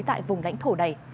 tại vùng lãnh thổ này